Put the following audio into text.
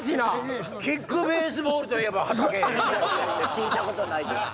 聞いたことないです。